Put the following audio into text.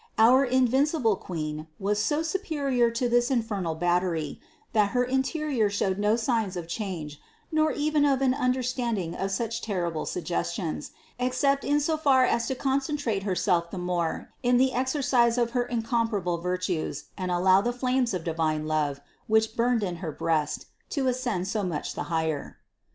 Our invincible Queen was so superior to this infernal battery, that her interior showed no signs of change nor even of an understanding of such terrible suggestions, except in so far as to concentrate Herself the more in the exercise of her incomparable virtues and allow the flames of divine love, which burned in her breast, to ascend so much the higher.